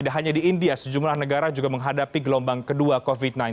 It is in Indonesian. tidak hanya di india sejumlah negara juga menghadapi gelombang kedua covid sembilan belas